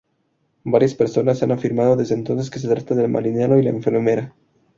Varias personas han afirmado desde entonces que se trata del marinero y la enfermera.